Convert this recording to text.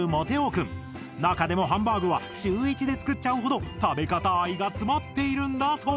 中でもハンバーグは週１で作っちゃうほど「食べかた愛」が詰まっているんだそう！